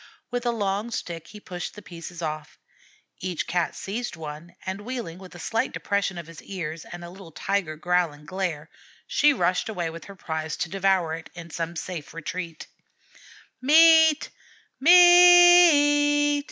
With a long stick he pushed the pieces off. Each Cat seized on one, and wheeling, with a slight depression of the ears and a little tiger growl and glare, she rushed away with her prize to devour it in some safe retreat. "Meat! Meat!"